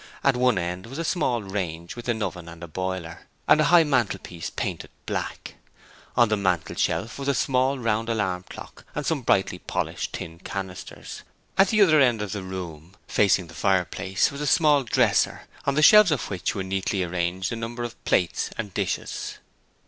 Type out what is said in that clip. At one end was a small range with an oven and a boiler, and a high mantelpiece painted black. On the mantelshelf was a small round alarm clock and some brightly polished tin canisters. At the other end of the room, facing the fireplace, was a small dresser on the shelves of which were neatly arranged a number of plates and dishes.